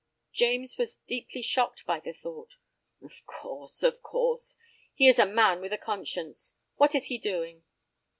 "James was deeply shocked by the thought." "Of course—of course. He is a man with a conscience. What is he doing?"